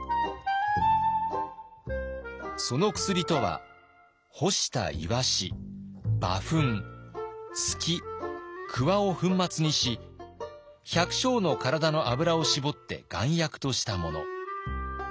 その薬とは干した鰯馬糞鋤鍬を粉末にし百姓の体の脂を搾って丸薬としたもの。